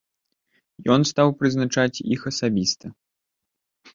Ён стаў прызначаць іх асабіста.